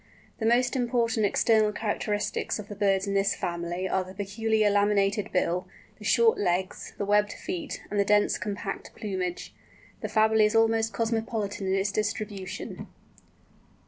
The most important external characteristics of the birds in this family are the peculiar laminated bill, the short legs, the webbed feet, and the dense compact plumage. The family is almost cosmopolitan in its distribution.